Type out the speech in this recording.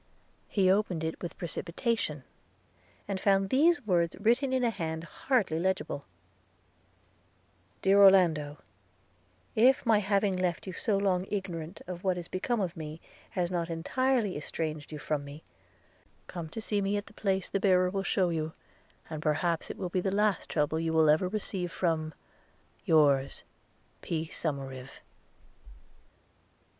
He opened it with precipitation, and found these words written in a hand hardly legible: 'DEAR ORLANDO, 'IF my having left you so long ignorant of what is become of me, has not entirely estranged you from me – come to me at the place the bearer will shew you, and perhaps it will be the last trouble you will ever receive from Yours,P. SOMERIVE.'